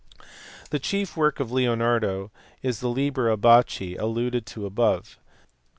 The chief work of Leonardo is the Liber Abaci alluded to above.